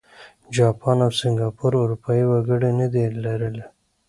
جاپان او سینګاپور اروپايي وګړي نه دي لرلي.